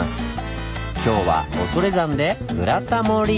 今日は恐山で「ブラタモリ」！